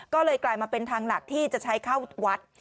ก็เลยกลายมาเป็นทางหลักที่จะใช้เข้าวัด